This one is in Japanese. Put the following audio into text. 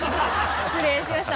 失礼しました。